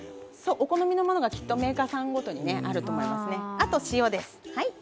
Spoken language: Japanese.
お好みのものがメーカーさんごとにあるかと思います。